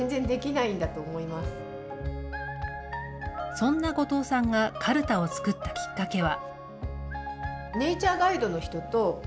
そんな後藤さんがカルタを作ったきっかけは。